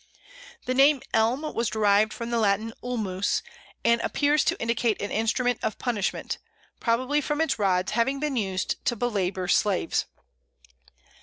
The name Elm was derived from the Latin Ulmus, and appears to indicate an instrument of punishment probably from its rods having been used to belabour slaves.